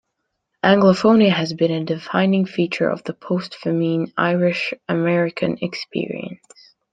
Anglophobia has been a defining feature of the post-famine Irish-American experience.